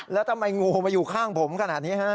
แล้วทำไมงูมาอยู่ข้างผมขนาดนี้ฮะ